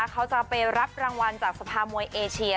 เขาจะไปรับรางวัลจากสภามวยเอเชีย